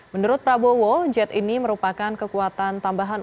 menurut prabowo jet ini merupakan kekuatan tambahan